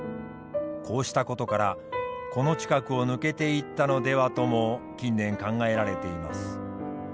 こうしたことからこの近くを抜けていったのではとも近年考えられています。